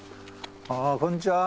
あこんにちは。